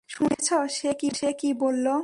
শুনেছ সে কী বলল?